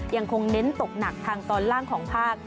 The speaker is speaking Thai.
ยังคงเน้นตกหนักทางตอนล่างของภาค